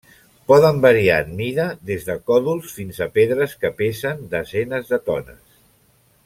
Poden variar en mida des de còdols fins a pedres que pesen desenes de tones.